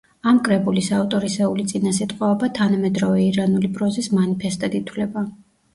ამ კრებულის ავტორისეული წინასიტყვაობა თანამედროვე ირანული პროზის მანიფესტად ითვლება.